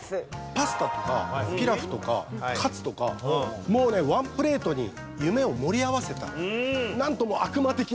パスタとかピラフとかカツとかもうねワンプレートに夢を盛り合わせたなんとも悪魔的な。